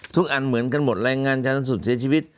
อันเหมือนกันหมดแรงงานชาญสุดเสียชีวิต